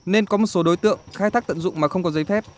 nên có một số đối tượng khai thác tận dụng mà không có giấy phép